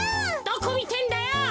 どこみてんだよ！